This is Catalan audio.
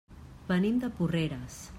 Venim de Porreres.